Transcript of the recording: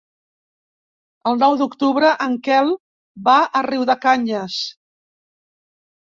El nou d'octubre en Quel va a Riudecanyes.